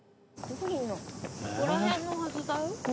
ここら辺のはずだよ。